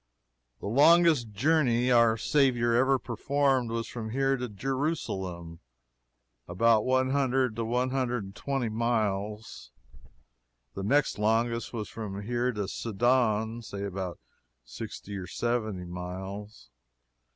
The longest journey our Saviour ever performed was from here to Jerusalem about one hundred to one hundred and twenty miles. The next longest was from here to Sidon say about sixty or seventy miles.